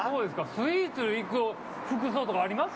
スイーツ行く服装とかあります？